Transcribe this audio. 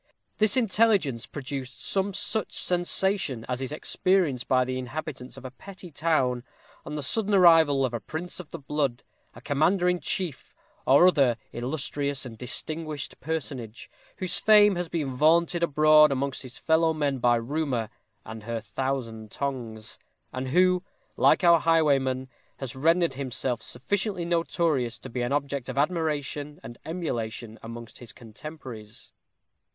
This intelligence produced some such sensation as is experienced by the inhabitants of a petty town on the sudden arrival of a prince of the blood, a commander in chief, or other illustrious and distinguished personage, whose fame has been vaunted abroad amongst his fellowmen by Rumor, "and her thousand tongues;" and who, like our highwayman, has rendered himself sufficiently notorious to be an object of admiration and emulation amongst his contemporaries.